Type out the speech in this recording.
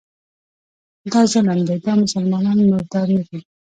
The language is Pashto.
دا ظلم دی، دا مسلمانان مردار نه دي